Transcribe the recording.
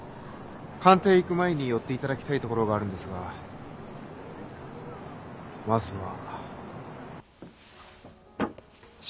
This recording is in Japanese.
官邸へ行く前に寄っていただきたい所があるんですがまずは。